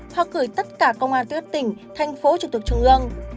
hoặc gửi tất cả công an tuyết tỉnh thành phố trực tuộc trung ương